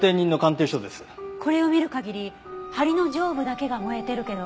これを見る限り梁の上部だけが燃えてるけど。